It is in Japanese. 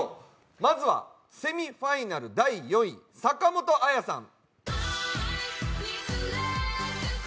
まずは、セミファイナル第４位坂本彩さん。